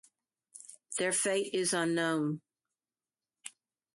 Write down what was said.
Their fate is unknown.